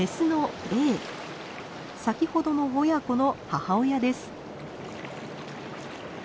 先ほどの親子の母親です。